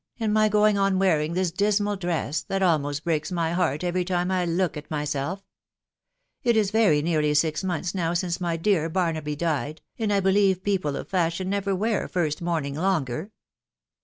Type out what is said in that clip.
in my going on wearing this dismal dress, that almost breaks wry heart every time I look at myself ?... .It is wry nearly six uiotribs mow since my dear Mr. Barnaby died, and 1 believe people «tf fashion never wear first mourning longer."